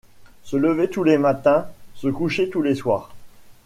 Se lever tous les matins, se coucher tous les soirs.